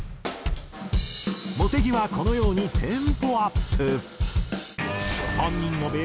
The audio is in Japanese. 茂木はこのようにテンポアップ。